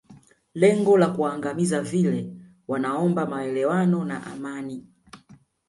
lengo la kuwaangamiza vile wanaomba maelewano na amani